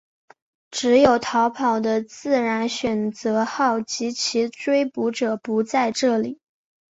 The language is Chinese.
只有逃跑的自然选择号及其追捕者不在这里。